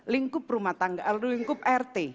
lingkup rumah tangga atau lingkup rt